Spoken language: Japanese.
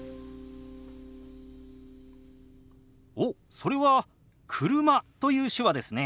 おっそれは「車」という手話ですね。